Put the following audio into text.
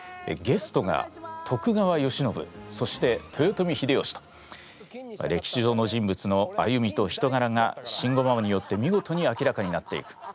ゲストが徳川慶喜そして豊臣秀吉と歴史上の人物の歩みと人柄が慎吾ママによって見事に明らかになっていく。